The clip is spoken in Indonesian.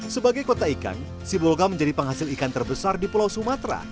sebagai kota ikan sibolga menjadi penghasil ikan terbesar di pulau sumatera